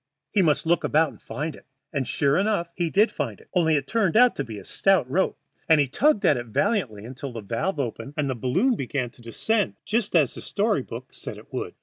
He must look about and find it. And sure enough he did find it, only it turned out to be a stout rope, and he tugged at it valiantly until the valve opened and the balloon began to descend, just as the story book said it would.